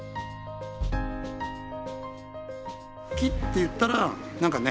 木っていったら何かね